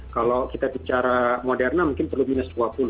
kalau kita bicara moderna mungkin perlu minus dua puluh